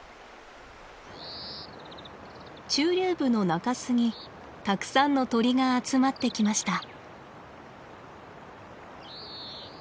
中流部の中州にたくさんの鳥が集まってきました。